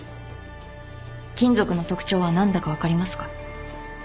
金属の特徴は何だか分かりますか？